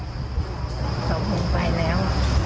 สาธารณ์พวกตั๋วพงษ์ไปแล้ว